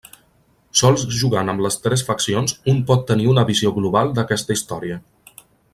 Sols jugant amb les tres faccions un pot tenir una visió global d'aquesta història.